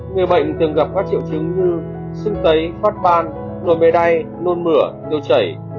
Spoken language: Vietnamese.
người bệnh thường gặp các triệu chứng như sưng tấy phát ban nồi bề đai nôn mửa nêu chảy